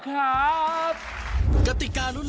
คาถาที่สำหรับคุณ